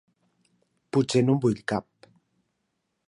Potser no en vull cap.